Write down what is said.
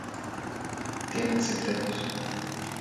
Tienen secretos.